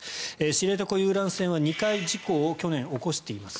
知床遊覧船は２回事故を去年起こしています。